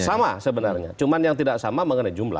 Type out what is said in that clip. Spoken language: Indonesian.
sama sebenarnya cuma yang tidak sama mengenai jumlah